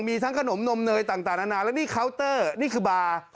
มีทั้งขนมนมเนยต่างนานาและนี่เคาน์เตอร์นี่คือบาร์